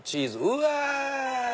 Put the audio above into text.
うわ！